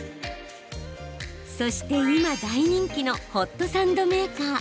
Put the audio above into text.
そして今、大人気のホットサンドメーカー。